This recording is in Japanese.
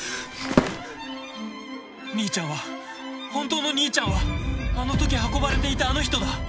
兄ちゃんは本当の兄ちゃんはあのとき運ばれていたあの人だ